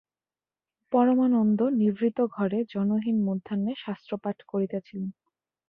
পরমানন্দ নিভৃত ঘরে জনহীন মধ্যাহ্নে শাস্ত্রপাঠ করিতেছিলেন।